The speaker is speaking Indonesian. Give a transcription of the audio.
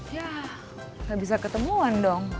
ya nggak bisa ketemuan dong